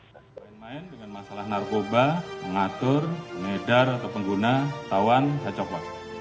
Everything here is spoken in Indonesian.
main main dengan masalah narkoba mengatur mengedar atau pengguna tawan kecoh kecoh